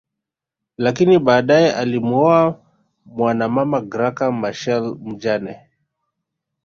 Lakini badae alimuoa mwanamama Graca Michael mjane